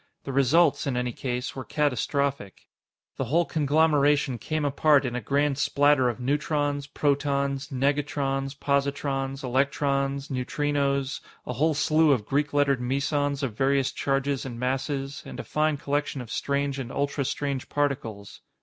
The results, in any case, were catastrophic. The whole conglomeration came apart in a grand splatter of neutrons, protons, negatrons, positrons, electrons, neutrinos a whole slew of Greek lettered mesons of various charges and masses, and a fine collection of strange and ultrastrange particles.